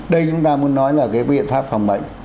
đây chúng ta muốn nói là cái biện pháp phòng bệnh